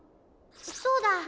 そうだ！